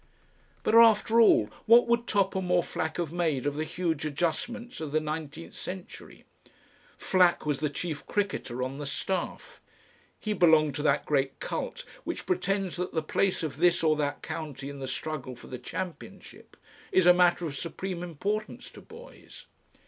But, after all, what would Topham or Flack have made of the huge adjustments of the nineteenth century? Flack was the chief cricketer on the staff; he belonged to that great cult which pretends that the place of this or that county in the struggle for the championship is a matter of supreme importance to boys.